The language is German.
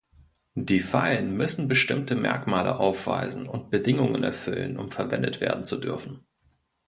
Die Fallen müssen bestimmte Merkmale aufweisen und Bedingungen erfüllen, um verwendet werden zu dürfen.